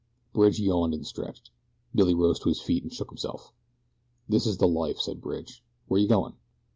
Bridge yawned and stretched. Billy rose to his feet and shook himself. "This is the life," said Bridge. "Where you going?"